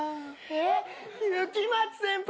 雪町先輩！